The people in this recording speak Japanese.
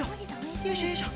よいしょよいしょ。